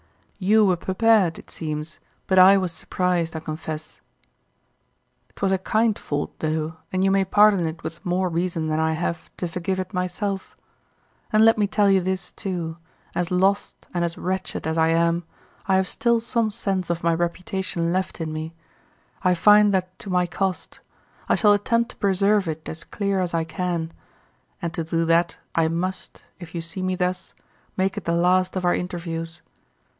You were prepared, it seems, but I was surprised, I confess. 'Twas a kind fault though; and you may pardon it with more reason than I have to forgive it myself. And let me tell you this, too, as lost and as wretched as I am, I have still some sense of my reputation left in me, I find that to my cost, I shall attempt to preserve it as clear as I can; and to do that, I must, if you see me thus, make it the last of our interviews.